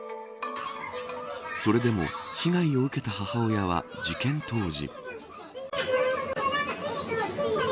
それでも被害を受けた母親は事件当時。